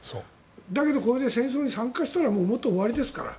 だけどこれで戦争に参加した終わりですから。